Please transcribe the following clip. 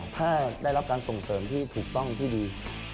ถ้าได้รับการส่งเสริมที่ถูกต้องที่ดี